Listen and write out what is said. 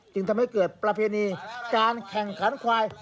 จึงทำให้เกิดประเพณีการแข่งขันควาย